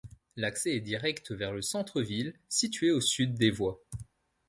L'accès est direct vers le centre-ville situé au sud des voies.